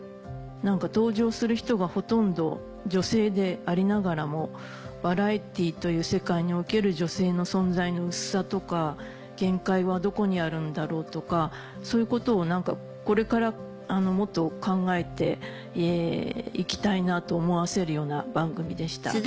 登場する人がほとんど女性でありながらもバラエティーという世界における女性の存在の薄さとか限界はどこにあるんだろうとかそういうことをこれからもっと考えていきたいなと思わせるような番組でした。